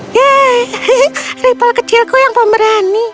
yeay ripple kecilku yang pemberani